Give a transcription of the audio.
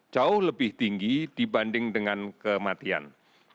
jauh lebih tinggi dibanding dengan kematian